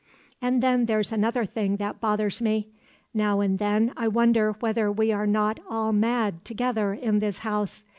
"And then there's another thing that bothers me. Now and then I wonder whether we are not all mad together in this house.